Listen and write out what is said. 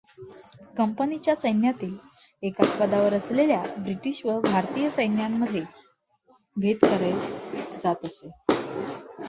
कंपनीच्या सैन्यातील एकाच पदावर असलेल्या ब्रिटिश व भारतीय सैनिकांमध्ये भेद केला जात असे.